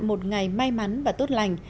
một ngày may mắn và tốt lành